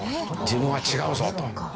自分は違うぞと。